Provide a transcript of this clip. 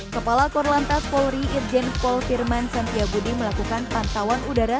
kepala korlantas polri irjen paul firman setiabudi melakukan pantauan udara